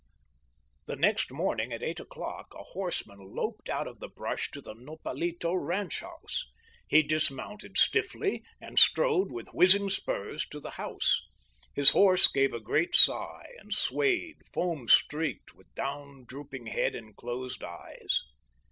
The next morning at eight o'clock a horseman loped out of the brush to the Nopalito ranch house. He dismounted stiffly, and strode, with whizzing spurs, to the house. His horse gave a great sigh and swayed foam streaked, with down drooping head and closed eyes.